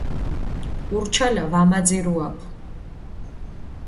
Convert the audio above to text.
ურჩალა ვამაძირუაფჷ.